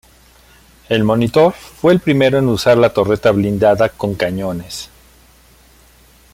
El "Monitor" fue el primero en usar la torreta blindada con cañones.